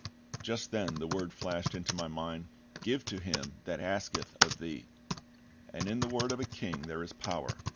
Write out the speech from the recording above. Just then the word flashed into my mind, "Give to him that asketh of thee," and in the word of a KING there is power.